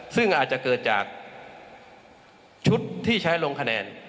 ซึ่งอาจจะเกิดจากชุดที่ใช้ลงคะแนน